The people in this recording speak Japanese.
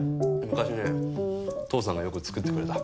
昔ね父さんがよく作ってくれた。